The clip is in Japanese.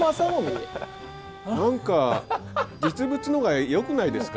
何か実物の方がよくないですか？